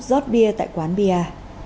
giót bia tại quán bia